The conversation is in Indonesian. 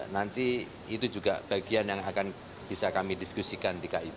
nanti itu juga bagian yang akan bisa kami diskusikan di kib